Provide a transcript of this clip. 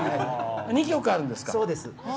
２曲あるんですか。